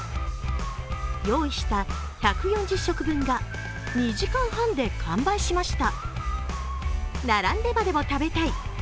用意した１４０食分が２時間半で完売しました。